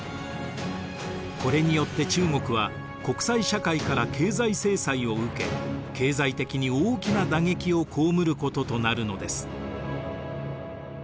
これによって中国は国際社会から経済制裁を受け経済的に大きな打撃を被ることとなるのです。